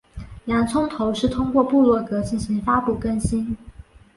洋葱头是通过部落格进行发布更新。